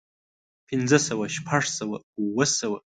پنځۀ سوه شپږ سوه اووه سوه